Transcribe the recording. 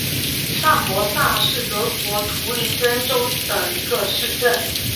上伯萨是德国图林根州的一个市镇。